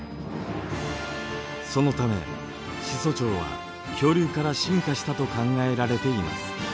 そのため始祖鳥は恐竜から進化したと考えられています。